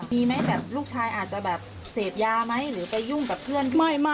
มีไหมแบบลูกชายอาจจะแบบเสพยาไหมหรือไปยุ่งกับเพื่อน